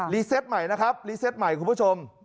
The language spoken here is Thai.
เซตใหม่นะครับรีเซตใหม่คุณผู้ชม